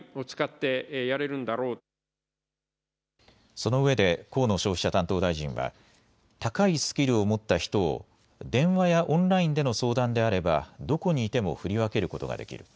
そのうえで河野消費者担当大臣は高いスキルを持った人を電話やオンラインでの相談であればどこにいても振り分けることができる。